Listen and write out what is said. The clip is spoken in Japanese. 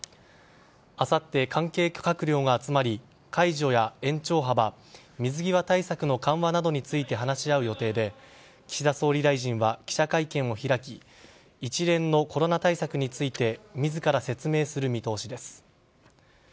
あさって、関係閣僚が集まり解除や延長幅水際対策の緩和などについて話し合う予定で岸田総理大臣は記者会見を開き一連のコロナ対策について自ら説明する見通しです。